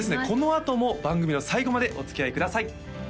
このあとも番組の最後までおつきあいください